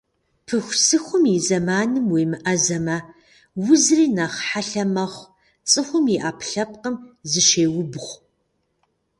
Пыхусыхум и зэманым уемыӀэзэмэ, узри нэхъ хьэлъэ мэхъу, цӀыхум и Ӏэпкълъэпкъым зыщеубгъу.